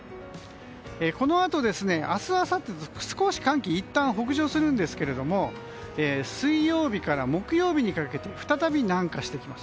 このあと、明日あさってと少し寒気はいったん北上するんですが水曜日から木曜日にかけて再び南下してきます。